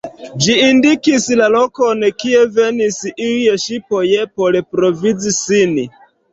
Ĝi indikis la lokon, kie venis iuj ŝipoj por provizi sin.